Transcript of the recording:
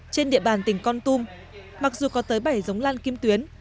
trên địa bàn tỉnh con tum mặc dù có tới bảy giống lan kim tuyến